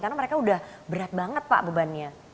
karena mereka udah berat banget pak bebannya